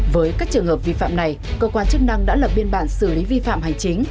với các trường hợp vi phạm này cơ quan chức năng đã lập biên bản xử lý vi phạm hành chính